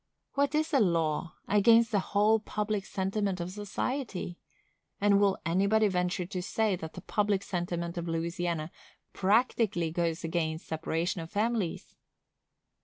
What is a law, against the whole public sentiment of society?—and will anybody venture to say that the public sentiment of Louisiana practically goes against separation of families?